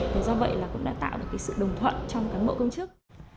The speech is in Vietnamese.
và do vậy cũng đã tạo được sự đồng thuận trong cán bộ công chức